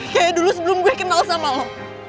kayak dulu sebelum gue dikenal sama lo